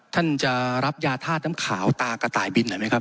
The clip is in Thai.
ท่านจะรับยาธาตุน้ำขาวตากระต่ายบินหน่อยไหมครับ